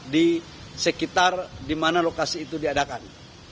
di sekitar di mana lokasi itu diadakan